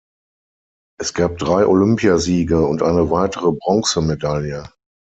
Es gab drei Olympiasiege und eine weitere Bronzemedaille.